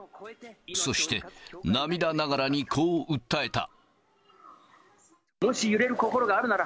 そして、涙ながらにこう訴えた。